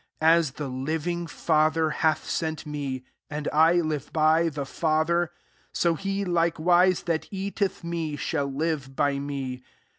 57 As the living Father hath sent me, and I live by the Father ; so he like wise that eateth me, shall live by me.